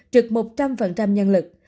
trực một trăm linh nhân lực